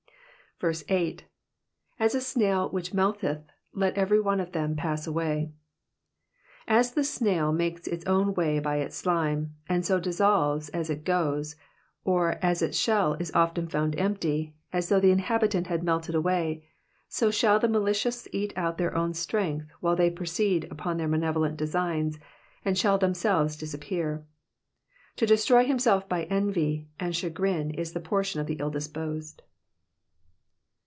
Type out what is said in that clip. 8. 4» a snail which melteth, let everyone of them pass away.^^ As the snail makes its own way by its slime, and so dissolves as it goes, or as its shell is often found empty, as though the inhabitant had melted away, so shall the malicious eat out their own strength while they proceed upon their malevolent designs, and shall themselves disappear. To destroy himself by envy and chagrin is the portion of the ill disposed.